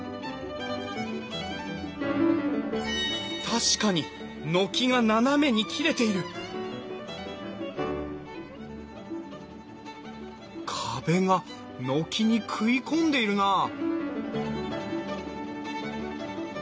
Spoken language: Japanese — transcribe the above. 確かに軒が斜めに切れている壁が軒に食い込んでいるなあ